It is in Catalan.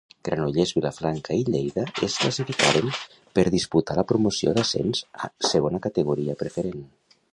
Granollers, Vilafranca i Lleida es classificaren per disputar la promoció d'ascens a Segona Categoria Preferent.